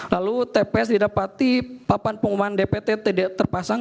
lalu tps didapati papan pengumuman dpt tidak terpasang